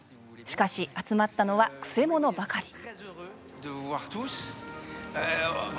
しかし、集まったのはくせ者ばかり。